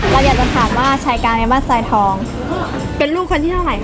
เราอยากจะถามว่าชายกลางในบ้านทรายทองเป็นลูกคนที่เท่าไหร่